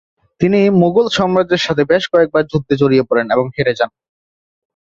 তিনি মুঘল সাম্রাজ্যের সাথে বেশ কয়েকবার যুদ্ধে জড়িয়ে পড়েন এবং হেরে যান।